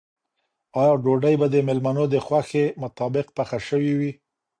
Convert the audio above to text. آیا ډوډۍ به د مېلمنو د خوښې مطابق پخه شوې وي؟